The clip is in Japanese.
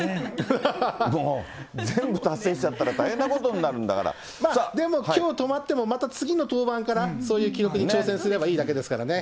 もう全部達成しちゃったら大変なでもきょう止まっても、また次の登板からそういう記録に挑戦すればいいだけですからね。